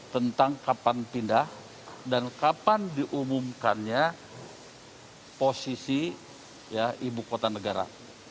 tentang kapan pindah dan kapan diumumkannya posisi ibu kota negara